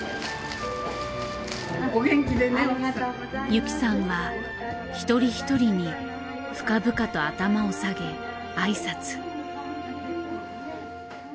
ユキさんは一人一人に深々と頭を下げ挨拶。